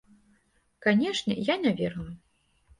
Канечне, я не верыла.